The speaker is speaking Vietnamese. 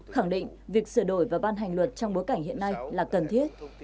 khẳng định việc sửa đổi và ban hành luật trong bối cảnh hiện nay là cần thiết